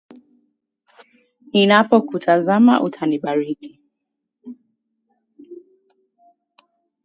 Ninapokutazama utanibariki.